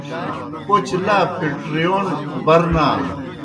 پوْچہ لا پِٹرِیون بَر نان۔